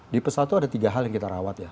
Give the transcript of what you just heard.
di pesawat itu ada tiga hal yang kita rawat ya